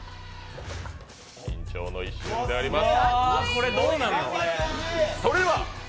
緊張の一瞬であります。